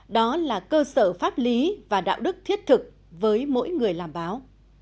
đó là cơ sở pháp lý và đạo đức thiết thực với mỗi người làm báo